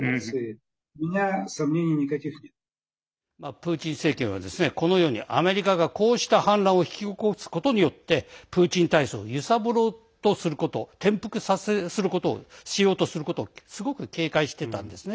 プーチン政権はこのようにアメリカが、こうした反乱を引き起こすことによってプーチン体制を揺さぶろうとすること転覆することをすごく警戒してたんですね。